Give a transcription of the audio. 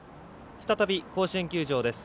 再び甲子園球場です。